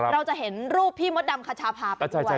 เราจะเห็นรูปพี่มดดำคชาพาไปด้วย